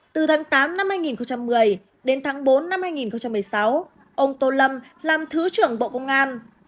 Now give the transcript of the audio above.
từ tháng tám năm hai nghìn một mươi đến tháng bốn năm hai nghìn một mươi sáu ông tô lâm làm thứ trưởng bộ công an